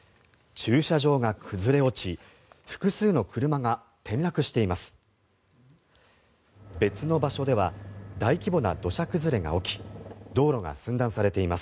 駐車場が崩れ落ち複数の車が転落しています。